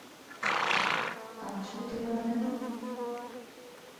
আমার ছবি তুলল না কেন?